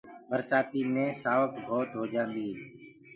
برسآتيٚ بآ سآوڪ ڀوت هوجآندي هي۔